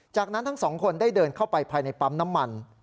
จากนั้นทั้งสองคนได้เดินเข้าไปภายในปั๊มน้ำมัน